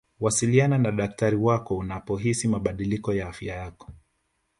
wasiliana na dakitari wako unapohisi mabadiliko ya afya yako